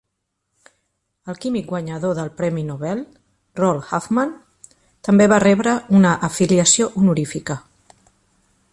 El químic guanyador del premi Nobel, Roald Hoffman, també va rebre una afiliació honorífica.